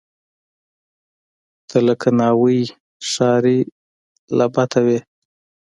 ته لکه ناوۍ، ښاري لعبته وې